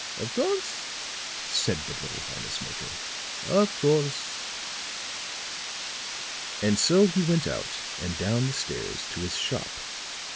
"Of course," said the little harness maker. "Of course." And so he went out and down the stairs to his shop.